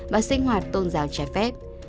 và sinh hoạt tôn giáo trái phép